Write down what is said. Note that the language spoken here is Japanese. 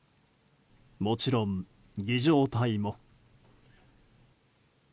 もちろん儀仗隊も。